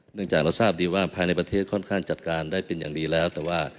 จากเราทราบดีว่าภายในประเทศค่อนข้างจัดการได้เป็นอย่างดีแล้วแต่ว่า